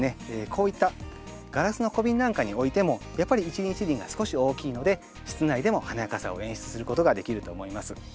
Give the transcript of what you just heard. こういったガラスの小瓶なんかに置いてもやっぱり一輪一輪が少し大きいので室内でも華やかさを演出することができると思います。